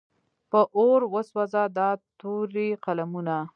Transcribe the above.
په اور وسوځه دا تورې قلمونه.